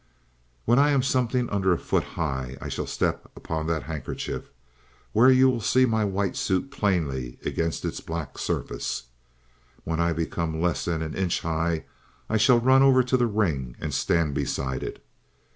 "When I am something under a foot high, I shall step upon that handkerchief, where you will see my white suit plainly against its black surface. When I become less than an inch high, I shall run over to the ring and stand beside it.